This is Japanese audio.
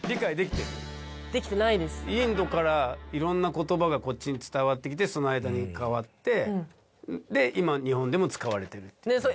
インドからいろんな言葉がこっちに伝わってきてその間に変わってで今日本でも使われてるっていう。